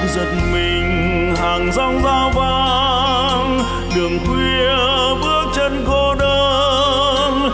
giật mình hàng dòng dao vang đường khuya bước chân cô đơn